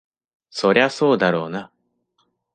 そりゃそうだろうな。